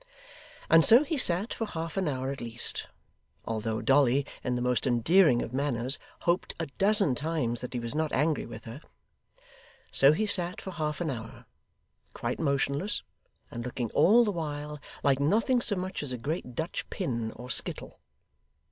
And so he sat for half an hour at least, although Dolly, in the most endearing of manners, hoped, a dozen times, that he was not angry with her. So he sat for half an hour, quite motionless, and looking all the while like nothing so much as a great Dutch Pin or Skittle.